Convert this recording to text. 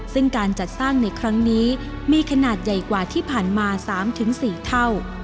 ซึ่งการจัดสร้างในครั้งนี้มีขนาดใหญ่กว่าที่ผ่านมา๓๔เท่า